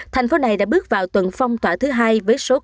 thành phố này đã bước vào tuần phong tỏa thứ hai với số ca lây nhiễm